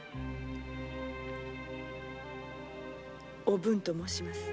おぶんと申します。